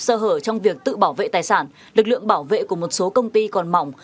sơ hở trong việc tự bảo vệ tài sản lực lượng bảo vệ của một số công ty còn mỏng